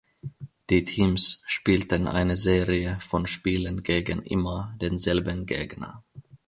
Die Teams spielten eine Serie von Spielen gegen immer denselben Gegner.